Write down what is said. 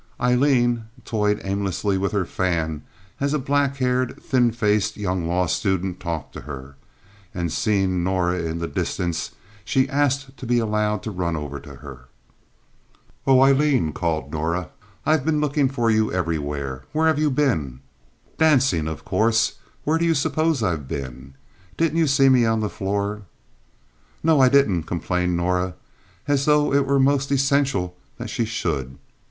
Aileen toyed aimlessly with her fan as a black haired, thin faced young law student talked to her, and seeing Norah in the distance she asked to be allowed to run over to her. "Oh, Aileen," called Norah, "I've been looking for you everywhere. Where have you been?" "Dancing, of course. Where do you suppose I've been? Didn't you see me on the floor?" "No, I didn't," complained Norah, as though it were most essential that she should.